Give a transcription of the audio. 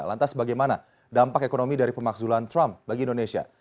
lantas bagaimana dampak ekonomi dari pemakzulan trump bagi indonesia